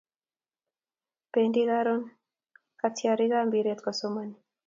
Pendi karun katiarik ab mpiret kosomani